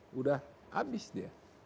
sudah habis dia